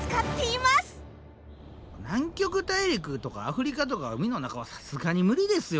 南極大陸とかアフリカとか海の中はさすがに無理ですよ